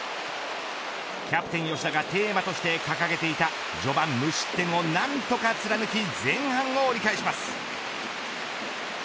キャプテン吉田がテーマとして掲げていた序盤無失点を何とか貫き前半を折り返します。